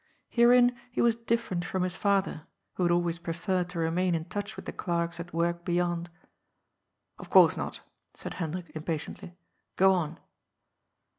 Herein he was different from his father, who had always preferred to remain in touch with the clerks at work beyond. " Of course not," said Hendrik impatiently. " Go on."